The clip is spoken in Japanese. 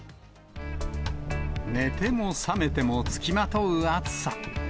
寝ても覚めても付きまとう暑さ。